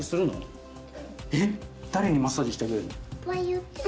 え誰にマッサージしてあげるの？